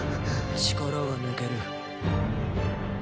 力が抜ける。